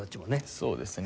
そうですね。